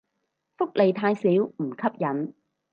福利太少唔吸引